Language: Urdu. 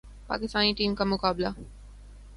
پاکستانی ٹیم کا مقابلہ